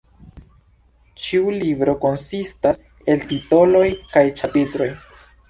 Ĉiu libro konsistas el titoloj kaj ĉapitroj.